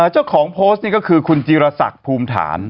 เจ้าของโพสต์นี่ก็คือคุณจีรศักดิ์ภูมิฐาน